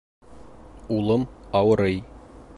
Улым ауырый